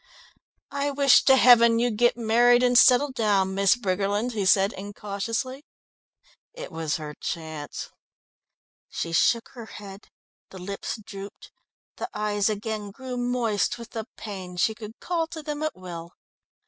"I wish to heaven you'd get married and settle down, Miss Briggerland," he said incautiously. It was her chance. She shook her head, the lips drooped, the eyes again grew moist with the pain she could call to them at will.